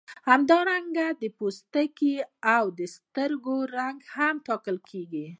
همدا رنګونه د پوستکي او سترګو رنګ هم ټاکي.